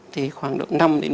thì khoảng độ năm một mươi